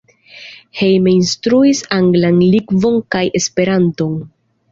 Hejme instruis anglan lingvon kaj Esperanton.